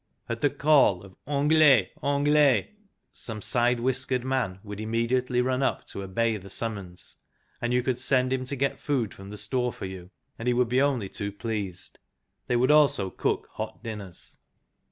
At the call of " Anglais, Anglais !" some side whiskered man would immediately run up to obey the summons, and you could send him to get food from the Store for you, and he would be only too pleased. They would also cook hot dinners.